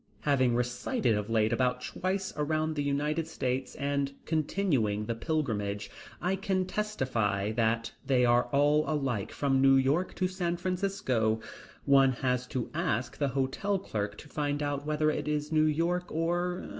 Having recited of late about twice around the United States and, continuing the pilgrimage, I can testify that they are all alike from New York to San Francisco. One has to ask the hotel clerk to find out whether it is New York or